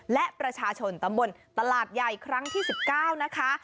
และประชาชนตำบลตลาดใหญ่ครั้งที่๑๙นะคะ